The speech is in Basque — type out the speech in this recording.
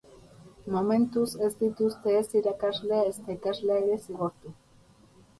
Momentuz, ez dituzte ez irakaslea ezta ikaslea ere zigortu.